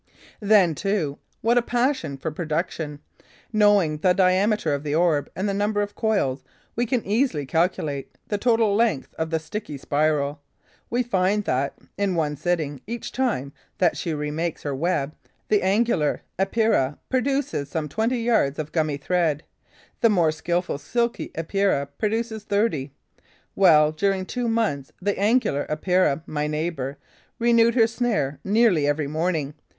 Then, too, what a passion for production! Knowing the diameter of the orb and the number of coils, we can easily calculate the total length of the sticky spiral. We find that, in one sitting, each time that she remakes her web, the Angular Epeira produces some twenty yards of gummy thread. The more skilful Silky Epeira produces thirty. Well, during two months, the Angular Epeira, my neighbour, renewed her snare nearly every evening.